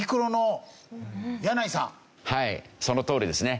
はいそのとおりですね。